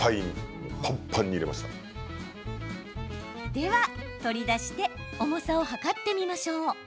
では、取り出して重さを量ってみましょう。